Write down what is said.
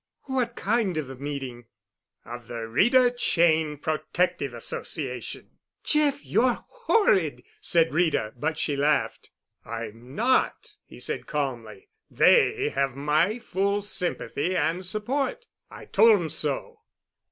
"What kind of a meeting?" "Of the Rita Cheyne Protective Association." "Jeff, you're horrid!" said Rita, but she laughed. "I'm not," he said calmly. "They have my full sympathy and support. I told 'em so."